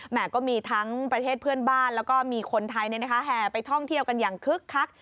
ก็มีทั้งประเทศเพื่อนบ้านแล้วก็มีคนไทยแห่ไปท่องเที่ยวกันอย่างคึกคัก